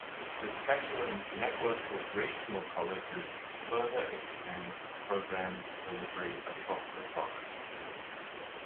Saskatchewan's network of Regional Colleges further extend program delivery across the province.